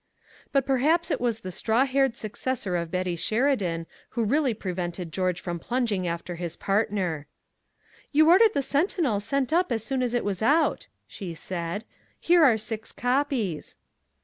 But perhaps it was the straw haired successor of Betty Sheridan who really prevented George from plunging after his partner. "You ordered the Sentinel sent up as soon as it was out," she said. "Here are six copies."